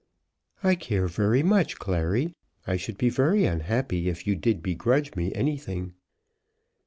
"I care very much, Clary. I should be very unhappy if you did begrudge me anything."